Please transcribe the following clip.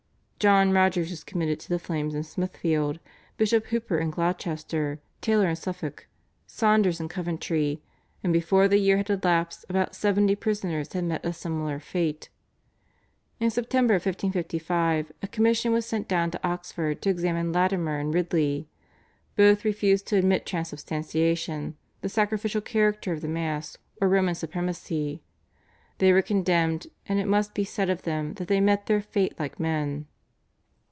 John Rogers was committed to the flames in Smithfield, Bishop Hooper in Gloucester, Taylor in Suffolk, Saunders in Coventry, and before the year had elapsed about seventy prisoners had met a similar fate. In September 1555 a commission was sent down to Oxford to examine Latimer and Ridley. Both refused to admit Transubstantiation, the sacrificial character of the Mass, or Roman supremacy. They were condemned, and it must be said of them that they met their fate like men.